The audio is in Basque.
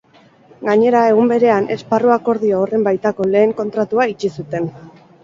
Gainera, egun berean, esparru-akordio horren baitako lehen kontratua itxi zuten.